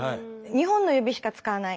２本の指しか使わない。